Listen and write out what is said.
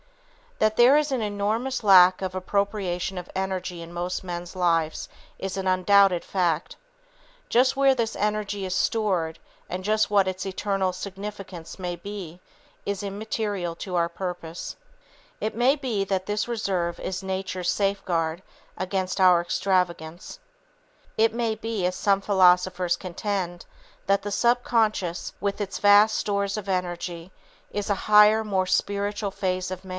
That there is an enormous lack of appropriation of energy in most men's lives is an undoubted fact. Just where this energy is stored, and just what its eternal significance may be, is immaterial to our purpose. It may be that this reserve is Nature's safeguard against our extravagance. It may be, as some philosophers contend, that the subconscious, with its vast stores of energy, is a higher, more spiritual phase of man.